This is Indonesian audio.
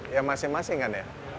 ya masing masing kan ya